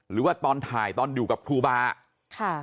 หรือว่าตอนถ่ายตอนอยู่กับครูบาค่ะ